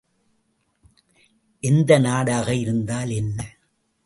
எந்த நாடாக இருந்தால் என்ன?